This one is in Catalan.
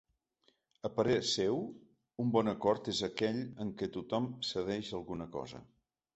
A parer seu, un bon acord és aquell en què tothom cedeix alguna cosa.